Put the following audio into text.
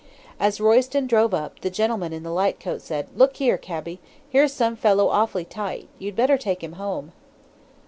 As Royston drove up, the gentleman in the light coat said, 'Look here, cabby, here's some fellow awfully tight, you'd better take him home!'